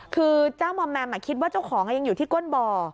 คือเจ้ามอมแมมคิดว่าเจ้าของยังอยู่ที่ก้นบ่อ